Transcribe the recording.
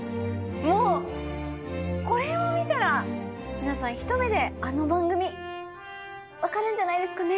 もうこれを見たら皆さんひと目であの番組分かるんじゃないですかね？